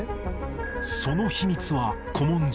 その秘密は古文書